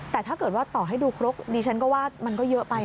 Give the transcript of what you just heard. แต่ถ้าเกิดว่าต่อให้ดูครกดิฉันก็ว่ามันก็เยอะไป